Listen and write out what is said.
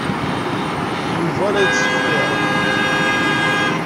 Yuba la yettṣeffir.